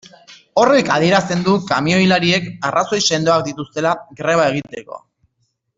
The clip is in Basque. Horrek adierazten du kamioilariek arrazoi sendoak dituztela greba egiteko.